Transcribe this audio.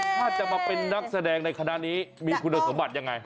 ถ้าจะมาเป็นนักแสดงในคณะนี้มีคุณสมบัติยังไง